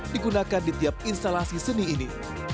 digunakan di tiap instalasi seni ini